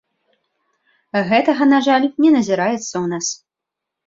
Гэтага, на жаль, не назіраецца ў нас.